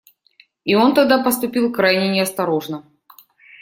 И он тогда поступил крайне неосторожно.